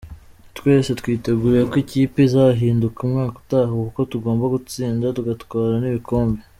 Twese twiteguye ko ikipe izahinduka umwaka utaha kuko tugomba gutsinda, tugatwara n’ibikombe.